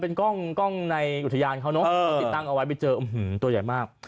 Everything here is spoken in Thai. เป็นกล้องในอุทยานเขาเนอะเขาติดตั้งเอาไว้ไปเจอตัวใหญ่มาก